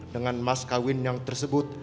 dengan mas kawin yang tersebut